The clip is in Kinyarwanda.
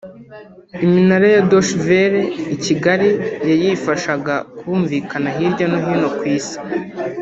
Iminara ya Deutsche Welle i Kigali yayifashaga kumvikana hirya no hino ku Isi